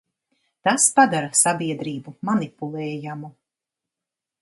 Tas padara sabiedrību manipulējamu.